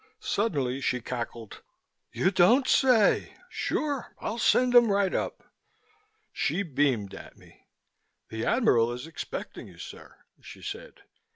Suddenly she cackled, "You don't say? Sure! I'll send him right up." She beamed at me. "The Admiral is expecting you, sir," she said.